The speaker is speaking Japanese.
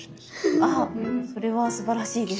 あそれはすばらしいです。